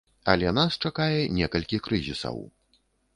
Але нас чакае некалькі крызісаў.